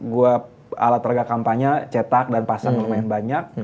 gue alat raga kampanye cetak dan pasang lumayan banyak